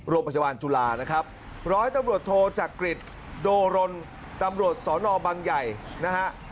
โรงพยาบาลจุฬานะครับร้อยตำรวจโทจักริตโดรนตำรวจสอนอบังใหญ่นะฮะ